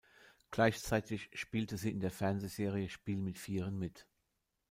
Gleichzeitig spielte sie in der Fernsehserie „Spiel mit Vieren“ mit.